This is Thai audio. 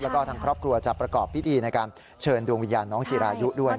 แล้วก็ทางครอบครัวจะประกอบพิธีในการเชิญดวงวิญญาณน้องจิรายุด้วย